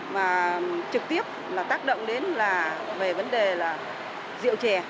mà trực tiếp là tác động đến là về vấn đề là rượu chè